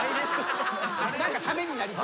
何かためになりそうみたいな。